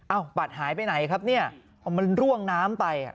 อ้าวบัตรหายไปไหนครับเนี่ยเอามันร่วงน้ำไป